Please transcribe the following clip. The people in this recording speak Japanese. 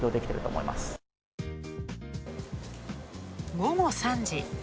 午後３時。